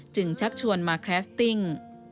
ชักชวนมาแคลสติ้ง